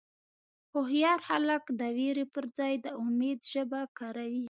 هوښیار خلک د وېرې پر ځای د امید ژبه کاروي.